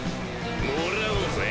もらおうぜ。